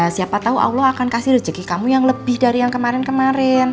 siapa tahu allah akan kasih rezeki kamu yang lebih dari yang kemarin kemarin